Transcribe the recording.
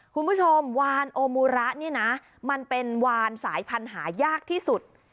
คุณผู้ชมวานโอมูระเนี่ยนะมันเป็นวานสายพันธุ์หายากที่สุด